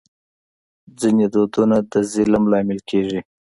ځینې دودونه د ظلم لامل کېږي.